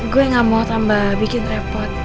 gue gak mau tambah bikin repot